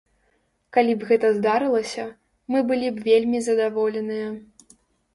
Калі б гэта здарылася, мы былі б вельмі задаволеныя.